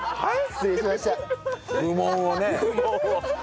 はい。